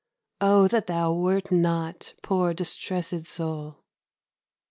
_ O that thou wert not, poor distressed soul!